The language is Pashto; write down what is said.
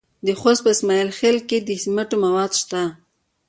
د خوست په اسماعیل خیل کې د سمنټو مواد شته.